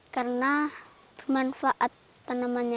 karena bermanfaat tanamannya